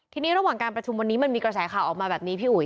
ทีนี้ระหว่างการประชุมวันนี้มันมีกระแสข่าวออกมาแบบนี้พี่อุ๋ย